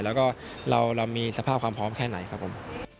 แล้วก็เรามีสภาพความพร้อมแค่ไหนครับผม